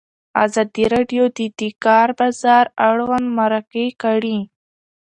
ازادي راډیو د د کار بازار اړوند مرکې کړي.